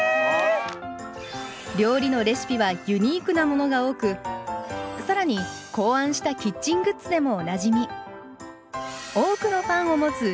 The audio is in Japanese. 料理のレシピはユニークなものが多くさらに考案したキッチングッズでもおなじみ